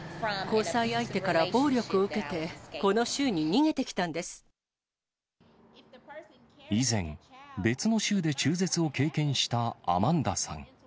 交際相手から暴力を受けて、以前、別の州で中絶を経験したアマンダさん。